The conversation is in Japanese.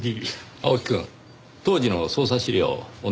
青木くん当時の捜査資料をお願いできますか？